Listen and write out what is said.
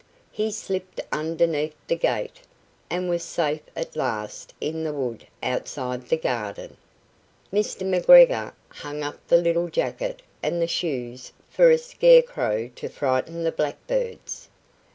He slipped underneath the gate, and was safe at last in the wood outside the garden. Mr. McGregor hung up the little jacket and the shoes for a scarecrow to frighten the blackbirds.